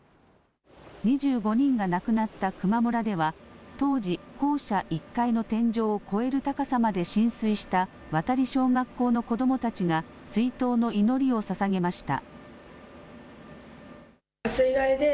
２５人が亡くなった球磨村では当時、校舎１階の天井を超える高さまで浸水した渡小学校の子どもたちが追悼の祈りをささげました。